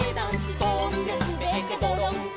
「とんですべってどろんこ」